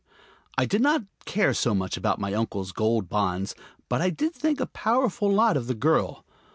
I did not care so much about my uncle's gold bonds, but I did think a powerful lot of the girl.